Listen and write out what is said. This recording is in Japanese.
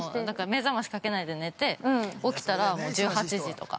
◆目覚ましかけないで寝て、起きたら、１８時とか。